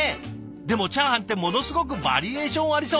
でもチャーハンってものすごくバリエーションありそう。